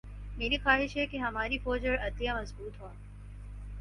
میری خواہش ہے کہ ہماری فوج اور عدلیہ مضبوط ہوں۔